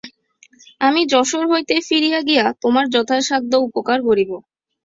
আমি যশোর হইতে ফিরিয়া গিয়া তোমার যথাসাধ্য উপকার করিব।